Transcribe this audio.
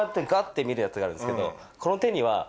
て見るやつがあるんですけど。